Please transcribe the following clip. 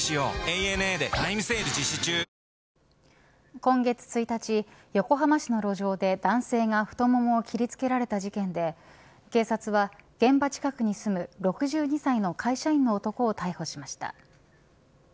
今月１日、横浜市の路上で男性が太ももを切りつけられた事件で警察は現場近くに住む６２歳の会社員の男を逮捕しました。